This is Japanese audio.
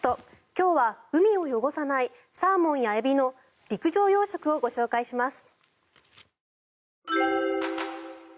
今日は海を汚さないサーモンやエビの陸上養殖をご紹介します。